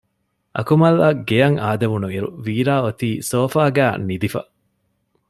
އަކުމަލްއަށް ގެއަށް އާދެވުނުއިރު ވީރާ އޮތީ ސޯފާގައި ނިދިފަ